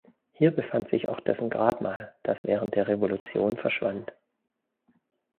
Hier befand sich auch dessen Grabmal, das während der Revolution verschwand.